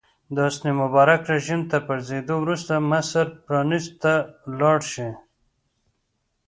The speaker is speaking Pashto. د حسن مبارک رژیم تر پرځېدو وروسته مصر پرانیستو ته لاړ شي.